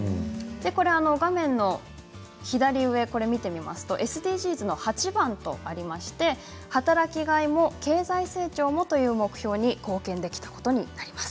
画面の左上を見てみますとＳＤＧｓの８番働きがいも経済成長もという目標に貢献できたことになります。